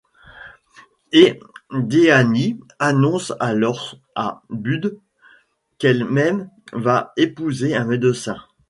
Et Deanie annonce alors à Bud qu'elle-même va épouser un médecin.